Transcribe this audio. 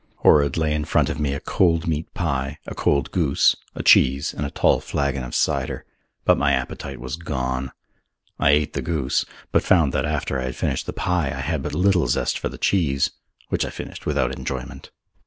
Horrod laid in front of me a cold meat pie, a cold goose, a cheese, and a tall flagon of cider. But my appetite was gone. I ate the goose, but found that after I had finished the pie I had but little zest for the cheese, which I finished without enjoyment.